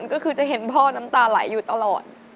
ก็คือจะเห็นพ่อน้ำตาไหลอยู่ตลอด